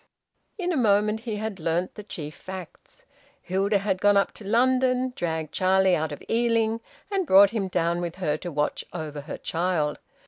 In a moment he had learnt the chief facts. Hilda had gone up to London, dragged Charlie out of Ealing, and brought him down with her to watch over her child.